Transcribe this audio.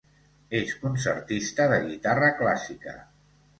És concertista de guitarra clàssica.